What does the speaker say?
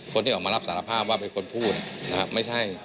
คนที่ออกมารับสารภาพว่าเป็นคนพูดนะครับไม่ใช่